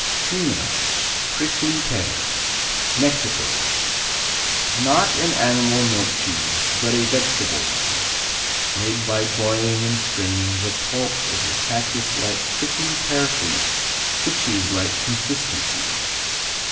Tuna, Prickly Pear Mexico Not an animal milk cheese, but a vegetable one, made by boiling and straining the pulp of the cactuslike prickly pear fruit to cheeselike consistency.